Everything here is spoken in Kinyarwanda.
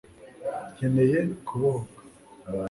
nkeneye kubohoka